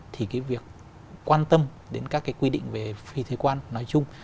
thì cái việc quan tâm đến các cái quy định về phi thuế quan nói chung